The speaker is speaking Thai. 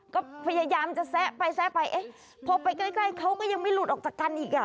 ก็พยายามจะแซะไปแซะไปเอ๊ะพอไปใกล้เขาก็ยังไม่หลุดออกจากกันอีกอ่ะ